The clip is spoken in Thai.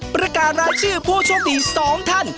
ประการรายชื่อพ่อโชติ๒ท่าน